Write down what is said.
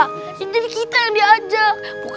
kendaraan orang juga gua